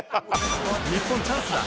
日本、チャンスだ。